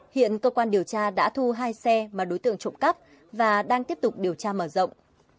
hiện cơ quan điều tra đã thu hai xe mà đối tượng trộm cắp và đang tiếp tục điều tra mở rộng